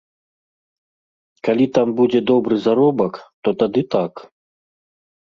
Калі там будзе добры заробак, то тады так.